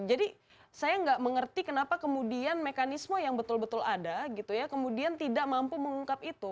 jadi saya tidak mengerti kenapa kemudian mekanisme yang betul betul ada gitu ya kemudian tidak mampu mengungkap itu